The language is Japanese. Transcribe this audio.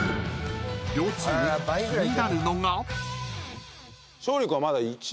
［両チーム気になるのが］